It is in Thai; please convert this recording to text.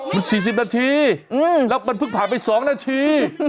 มัน๔๐นาทีแล้วมันเพิ่งผ่านไป๒นาที